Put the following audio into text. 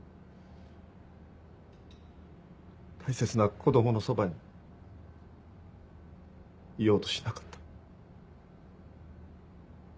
大切な子供のそばにいようとしなかった。